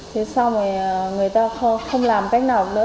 thế xong người ta không làm cách nào nữa